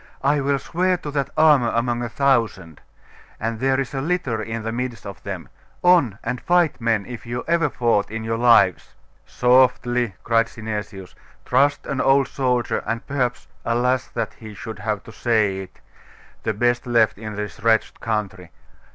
'I will swear to that armour among a thousand. And there is a litter in the midst of them. On! and fight, men, if you ever fought in your lives!' 'Softly!' cried Synesius. 'Trust an old soldier, and perhaps alas! that he should have to say it the best left in this wretched country.